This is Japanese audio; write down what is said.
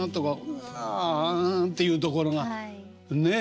ふわんっていうところがねえ。